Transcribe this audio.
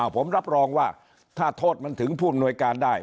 ผมรับรองว่าถ้าโทษมันถึงผู้อำนวยการได้